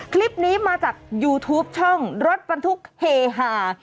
คลิปนี้มาจากยูทูปช่องรถบรรทุกเฮฮา